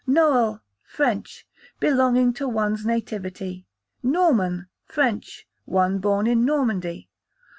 Noel, French, belonging to one's nativity. Norman, French, one born in Normandy.